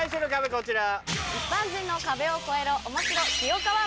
こちら。